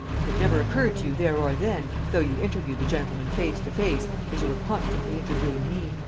It never occurred to you there or then, though you interviewed the gentleman face to face, as you were constantly interviewing me.